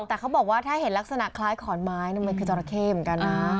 แต่เขาบอกว่าถ้าเห็นลักษณะคล้ายขอนไม้มันคือจราเข้เหมือนกันนะ